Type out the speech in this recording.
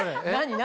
何？